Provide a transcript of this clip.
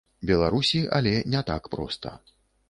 Беларусі, але не так проста.